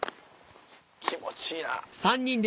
気持ちいいな。